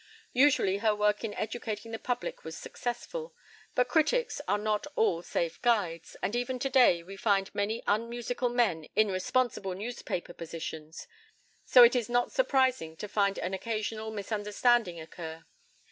Usually her work in educating the public was successful. But critics are not all safe guides, and even to day we find many unmusical men in responsible newspaper positions, so it is not surprising to find an occasional misunderstanding occur.